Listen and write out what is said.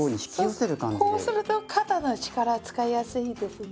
こうすると肩の力使いやすいですね。